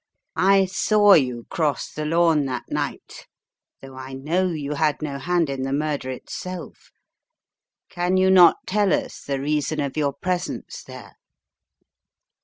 "I saw you cross the lawn that night, though I know you had no hand in the murder itself. Can you not tell us the reason of your presence there?"